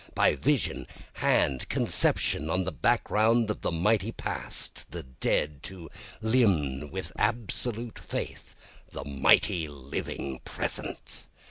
By vision, hand, conception, on the background of the mighty past, the dead, To limn with absolute faith the mighty living present.